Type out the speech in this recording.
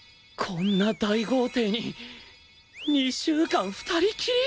こんな大豪邸に２週間２人きり！？